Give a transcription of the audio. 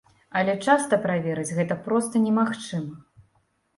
Але часта праверыць гэта проста немагчыма.